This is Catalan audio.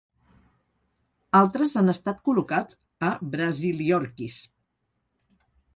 Altres han estat col·locats a "Brasiliorchis".